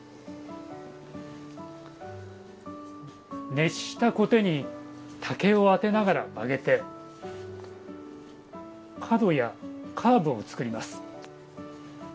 熱したコテに竹を当てながら曲げて角やカーブを作ります。